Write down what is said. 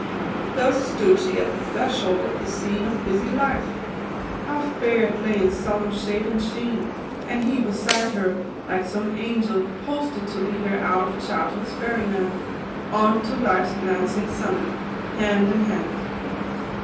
u Thus stood she at the threshold of the scene Of busy life. How fair it lay in solemn shade and sheen ! And he beside her, like some angel, posted To lead her out of childhood's fairy land, On to life's glancing summit, hand in hand."